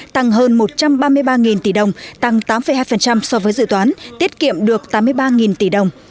tăng hơn một trăm ba mươi ba tỷ đồng tăng tám hai so với dự toán tiết kiệm được tám mươi ba tỷ đồng